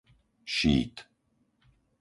Šíd